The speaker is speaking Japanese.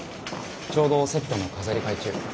ちょうどセットの飾り替え中。